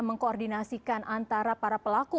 mengkoordinasikan antara para pelaku